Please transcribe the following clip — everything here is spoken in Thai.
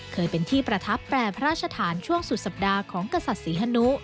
เคยเป็นที่ประทับแปรพระราชฐานช่วงสุดสัปดาห์ของกษัตริย์ศรีฮนุ